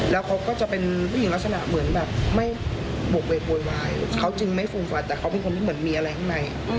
แล้วเขาก็จะเป็นผู้หญิงลักษณะเหมือนแบบไม่โบกเวกโวยวายเขาจึงไม่ฟูมฝันแต่เขาเป็นคนที่เหมือนมีอะไรข้างใน